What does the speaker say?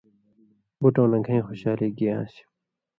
بُٹؤں نہ گَھیں خوشالی گی آن٘سیۡ